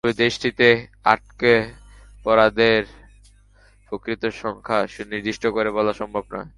তবে দেশটিতে আটকে পড়াদের প্রকৃত সংখ্যা সুনির্দিষ্ট করে বলা সম্ভব নয়।